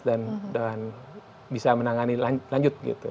dan bisa menangani lanjut